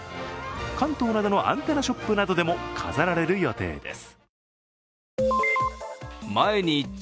関東などのアンテナショップなどでも飾られる予定です。